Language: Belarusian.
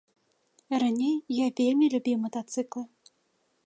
Раней я вельмі любіў матацыклы.